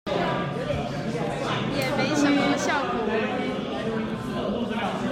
也沒什麼效果